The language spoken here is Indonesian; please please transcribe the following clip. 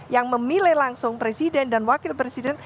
yang memilih langsung presiden dan wakil presiden